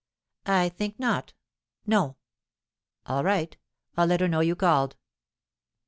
"I think not; no." "All right. I'll let her know you called."